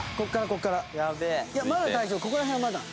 ここから辺はまだ。